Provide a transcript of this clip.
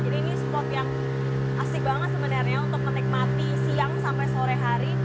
jadi ini spot yang asik banget sebenarnya untuk menikmati siang sampai sore hari